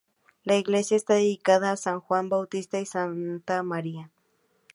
La iglesia está dedicada a san Juan Bautista y santa María.